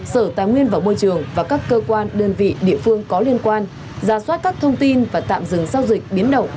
sở tài nguyên và môi trường và các cơ quan đơn vị địa phương có liên quan ra soát các thông tin và tạm dừng giao dịch biến động